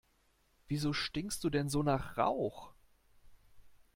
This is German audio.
Wieso stinkst du denn so nach Rauch?